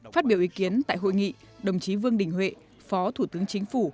phát biểu ý kiến tại hội nghị đồng chí vương đình huệ phó thủ tướng chính phủ